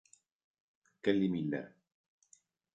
Kelly Miller